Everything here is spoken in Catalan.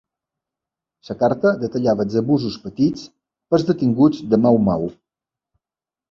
La carta detallava els abusos patits pels detinguts de Mau Mau.